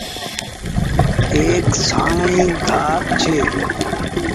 ايڪ سآوڻي گآه ڇي۔